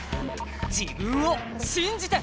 自分を信じて！